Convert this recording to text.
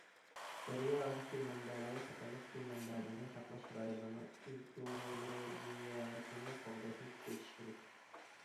دەريا ۋە سۇ مەنبەلىرى قاتارلىق سۇ مەنبەلىرىنى ساقلاش رايونلىرىنىڭ ئېكولوگىيەسىنى قوغداشنى كۈچەيتىش كېرەك.